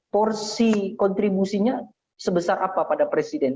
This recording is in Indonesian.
porsi kontribusinya sebesar apa pada presiden